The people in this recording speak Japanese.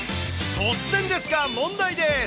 突然ですが、問題です。